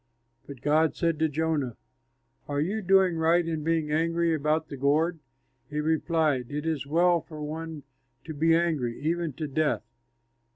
But God said to Jonah, "Are you doing right in being angry about the gourd?" He replied, "It is well for one to be angry, even to death!"